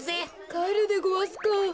かえるでごわすか。